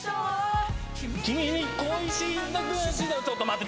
ちょっと待って！